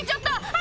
あ！